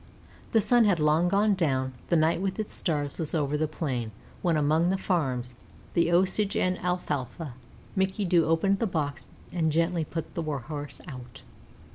The sun had long gone down; the night with its stars was over the plain when among the farms, the Osage and alfalfa, Mickey Doo opened the box and gently put the Warhorse out.